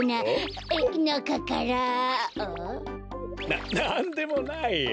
ななんでもないよ。